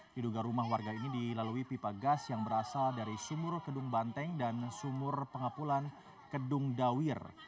diduga rumah warga ini dilalui pipa gas yang berasal dari sumur kedung banteng dan sumur pengapulan kedung dawir